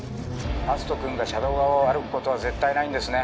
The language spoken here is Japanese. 篤斗君が車道側を歩くことは絶対ないんですね？